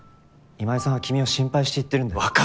今井さんは君を心配して言ってるんだよ。